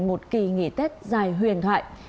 một kỳ nghỉ tết dài huyền thoại